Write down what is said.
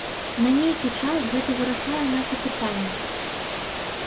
На нейкі час гэта вырашае нашы пытанні.